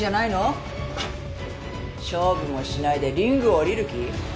勝負もしないでリングを下りる気？